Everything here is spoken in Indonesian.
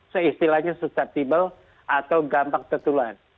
seistilahnya susceptible atau gampang tertular